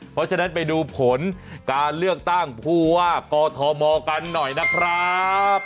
เพราะฉะนั้นไปดูผลการเลือกตั้งผู้ว่ากอทมกันหน่อยนะครับ